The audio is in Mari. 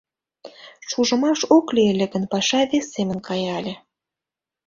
Шужымаш ок лий ыле гын, паша вес семын кая ыле...